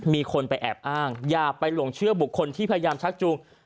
มีคนไปแอบอ้างอย่าไปหลงเชื่อบุคคลที่พยายามชักจูง